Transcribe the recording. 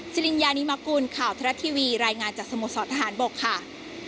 จริงยานิมกุลข่าวทรัพย์ทีวีรายงานจากสมุทรทหารบกค่ะ